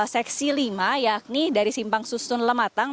seksi lima yakni dari simpang susun lematang